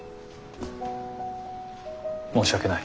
申し訳ない。